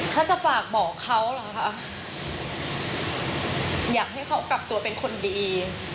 ถ้าจะฝากบอกเขาเหรอคะอยากให้เขากลับตัวเป็นคนดี